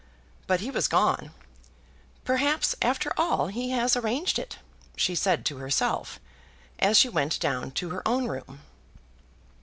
But he was gone. "Perhaps, after all, he has arranged it," she said to herself, as she went down to her own room.